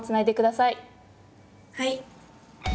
はい。